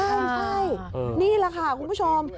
ใช่นี่แหละค่ะคุณผู้ชม